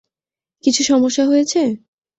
কিছু সমস্যা হয়েছে?